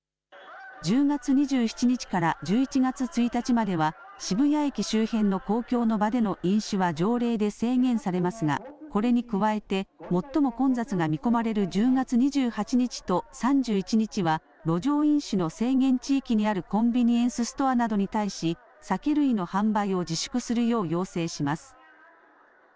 １０月２７日から１１月１日までは渋谷駅周辺の公共の場での飲酒は条例で制限されますがこれに加えて最も混雑が見込まれる１０月２８日と３１日は路上飲酒の制限地域にあるコンビニエンスストアなどに対し酒類の販売を自粛するよう要請します。